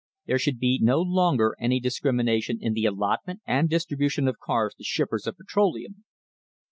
There should be no longer any discrimination in the allotment and distribution of cars to shippers of petroleum.